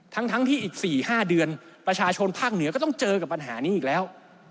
ทั้งที่อีก๔๕เดือนประชาชนภาคเหนือก็ต้องเจอกับปัญหานี้อีกแล้ว